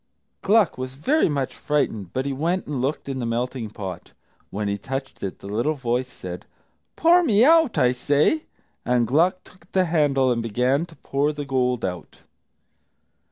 Gluck was very much frightened, but he went and looked in the melting pot. When he touched it, the little voice said, "Pour me out, I say!" And Gluck took the handle and began to pour the gold out.